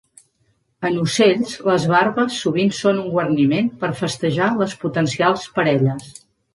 En ocells, les barbes sovint són un guarniment per festejar les potencials parelles.